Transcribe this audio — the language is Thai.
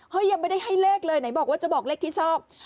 ยังไม่ได้ให้เลขเลยไหนบอกว่าจะบอกเลขที่ชอบ